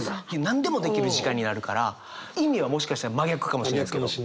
何でもできる時間になるから意味はもしかしたら真逆かもしれないですけど。